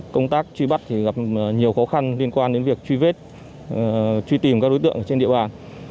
công tác truy bắt gặp nhiều khó khăn liên quan đến việc truy vết truy tìm các đối tượng trên địa bàn